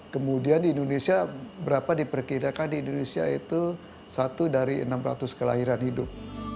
kemudian di indonesia berapa diperkirakan di indonesia itu satu dari enam ratus kelahiran hidup